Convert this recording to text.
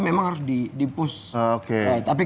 memang harus di push oke tapi